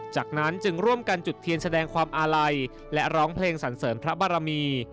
จากนั้นจึงร่วมกันจุดเทียนแสดงความอาลัยและร้องเพลงสันเสริมพระบารมี